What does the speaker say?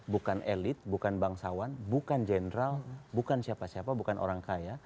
bukan elit bukan bangsawan bukan jenderal bukan siapa siapa bukan orang kaya